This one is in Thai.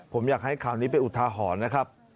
ผมอยากให้ข่าวนี้เป็นอุทาหรณ์นะครับ